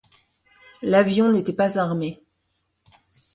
L'avion n'était pas armé.